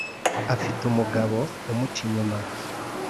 Afite umugabo umugabo umuca inyuma